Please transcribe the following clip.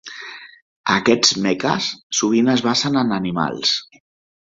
Aquests meques sovint es basen en animals.